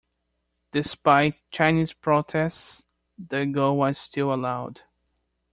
Despite Chinese protests, the goal was still allowed.